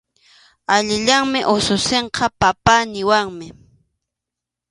Allillanmi ususinqa “papá” niwanmi.